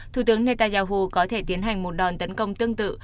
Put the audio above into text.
thủ tướng netanyahu có thể tiến hành một đòn tấn công tương tự